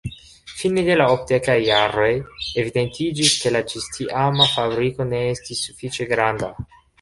Fine de la okdekaj jaroj, evidentiĝis ke la ĝistiama fabriko ne estis sufiĉe granda.